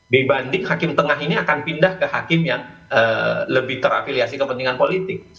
dibanding hakim tengah ini akan pindah ke hakim yang lebih terafiliasi kepentingan politik